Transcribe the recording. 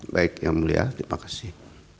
baik yang mulia terima kasih